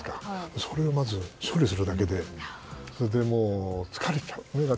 それをまず処理するだけで目が疲れちゃう。